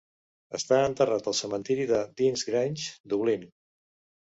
Està enterrat al cementiri de Deansgrange, Dublín.